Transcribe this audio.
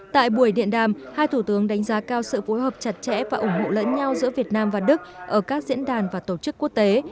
tại buổi điện đàm hai thủ tướng đánh giá cao sự phối hợp chặt chẽ và ủng hộ lẫn nhau giữa việt nam và đức ở các diễn đàn và tổ chức quốc tế